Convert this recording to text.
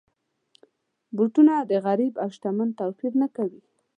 بوټونه د غریب او شتمن توپیر نه کوي.